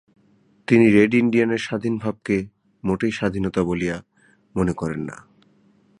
তিনি রেড ইণ্ডিয়ানের স্বাধীন ভাবকে মোটেই স্বাধীনতা বলিয়া মনে করেন না।